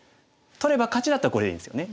取れば勝ちだったらこれでいいんですよね。